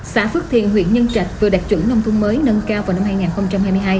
xã phước thiền huyện nhân trạch vừa đạt chuẩn nông thôn mới nâng cao vào năm hai nghìn hai mươi hai